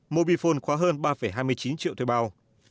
mobifone khóa hơn ba hai mươi chín triệu thuê bao